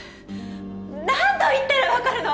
何度言ったら分かるの？